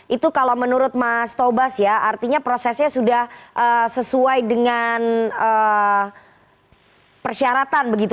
itu kalau menurut mas tobas ya artinya prosesnya sudah sesuai dengan persyaratan begitu